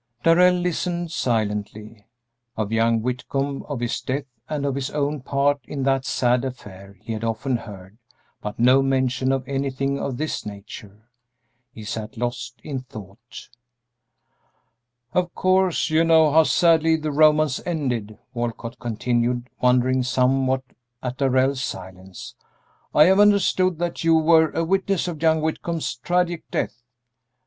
Darrell listened silently. Of young Whitcomb, of his death, and of his own part in that sad affair he had often heard, but no mention of anything of this nature. He sat lost in thought. "Of course, you know how sadly the romance ended," Walcott continued, wondering somewhat at Darrell's silence. "I have understood that you were a witness of young Whitcomb's tragic death."